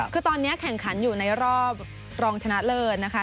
คือตอนนี้แข่งขันอยู่ในรอบรองชนะเลิศนะคะ